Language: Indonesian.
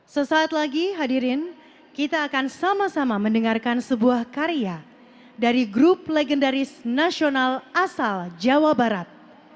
sesaat lagi hadirin kita akan sama sama mendengarkan sebuah karya dari grup legendaris nasional asal jawa barat